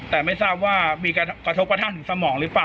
แต่ไม่ทราบว่ามีกระทบกระทั่งถึงสมองหรือเปล่า